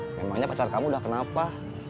memangnya pacar kamu udah kenapa